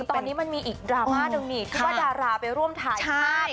ตอนนี้มันมีอีกดราม่าหนึ่งนี่ที่ว่าดาราไปร่วมถ่ายภาพ